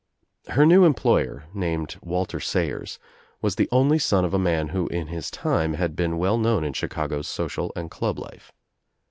Her new employer, named Walter Sayers, was the only son of a man who in his time had been well known i in Chicago's social and club life.